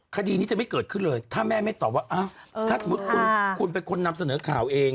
คดีนี้จะไม่เกิดขึ้นเลยถ้าแม่ไม่ตอบว่าถ้าสมมุติคุณเป็นคนนำเสนอข่าวเอง